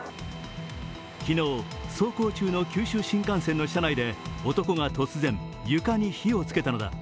昨日、走行中の九州新幹線の車内で男が突然、床に火をつけたのだ。